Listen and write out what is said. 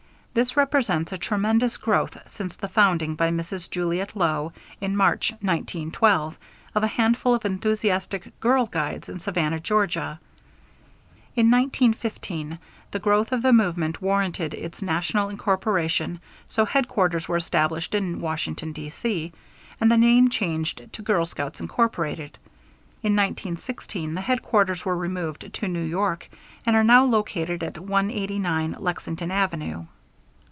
This represents a tremendous growth since the founding by Mrs. Juliette Low in March, 1912, of a handful of enthusiastic "Girl Guides" in Savannah, Ga. In 1915 the growth of the movement warranted its national incorporation; so headquarters were established in Washington, D. C., and the name changed to Girl Scouts, Incorporated. In 1916 the headquarters were removed to New York, and are now located at 189 Lexington Avenue.